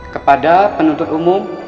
kepada penuntut umum